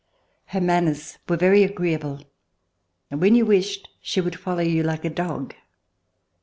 Her manners were very agreeable, and when you wished, she would follow you like a dog.